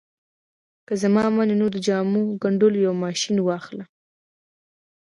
که زما منې نو د جامو ګنډلو یو ماشين واخله